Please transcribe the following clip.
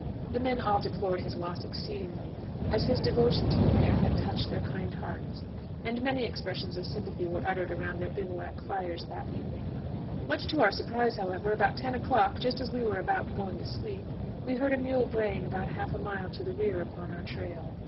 The men all deplored his loss exceedingly, as his devotion to the mare had touched their kind hearts, and many expressions of sympathy were uttered around their bivouac fires on that evening. Much to our surprise, however, about ten o'clock, just as we were about going to sleep, we heard a mule braying about half a mile to the rear upon our trail.